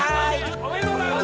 おめでとうございます！